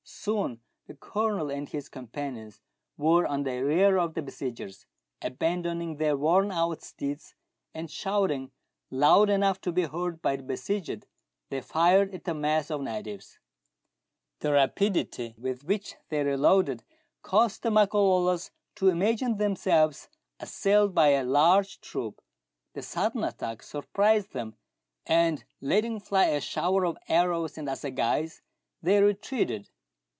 Soon the Colonel and his companions were on the rear of the besiegers. Abandoning their worn out steeds, and shouting loud enough to be heard by the besieged, they fired at the mass of natives. The rapidity with which they re loaded caused the Makololos to imagine 1 78 meridiana; the adventures of themselves assailed by a large troop. The sudden attack surprised them, and, letting fly a shower of arrows and assagais, they retreated.